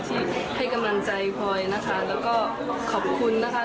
ที่ให้กำลังใจพลอยนะคะแล้วก็ขอบคุณนะคะ